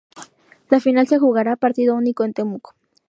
La final se jugará a partido único en Temuco.